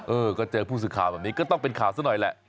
เออก็เจอผู้สื่อข่าวแบบนี้ก็ต้องเป็นข่าวซะหน่อยแหละ